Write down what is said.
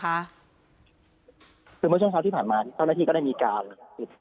คือเมื่อช่วงเช้าที่ผ่านมาเจ้าหน้าที่ก็ได้มีการปิด